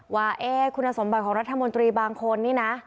ว่าคุณสมบัติของรัฐมนตรีบางคนนี่นะ